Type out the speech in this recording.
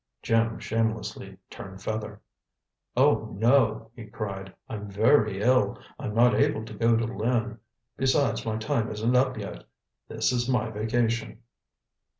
Jim shamelessly turned feather. "Oh, no," he cried. "I'm very ill. I'm not able to go to Lynn. Besides, my time isn't up yet. This is my vacation."